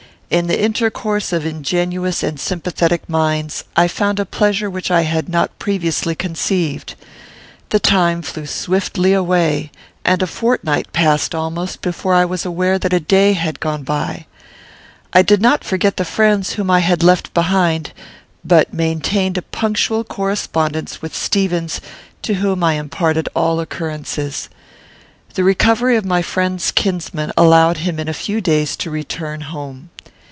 In the intercourse of ingenuous and sympathetic minds, I found a pleasure which I had not previously conceived. The time flew swiftly away, and a fortnight passed almost before I was aware that a day had gone by. I did not forget the friends whom I had left behind, but maintained a punctual correspondence with Stevens, to whom I imparted all occurrences. The recovery of my friend's kinsman allowed him in a few days to return home.